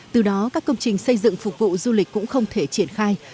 từ đó các công trình xây dựng phục vụ du lịch cũng không thể triển khai